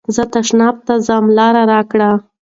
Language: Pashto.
زه تشناب ته ځم لاره راکړه.